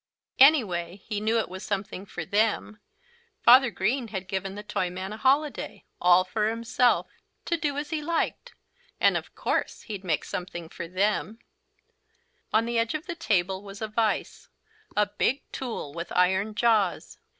Anyway he knew it was something for them. Father Green had given the Toyman a holiday, all for himself, to do as he liked. And of course he'd make something for them. On the edge of the table was a vise, a big tool with iron jaws.